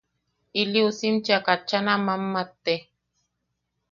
Ili uusim cheʼa katchan a mammatte.